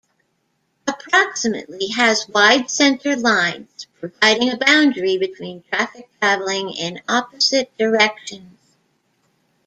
Approximately has "wide centre lines" providing a boundary between traffic travelling in opposite directions.